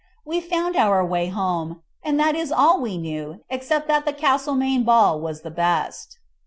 We found our way home, and that is all we knew, except that the Castlemaine ball was the best.